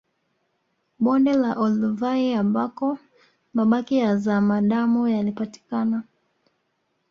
Bonde la Olduvai ambako mabaki ya zamadamu yalipatikana